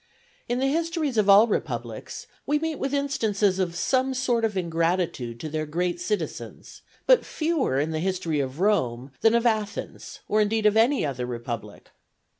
In the histories of all republics we meet with instances of some sort of ingratitude to their great citizens, but fewer in the history of Rome than of Athens, or indeed of any other republic.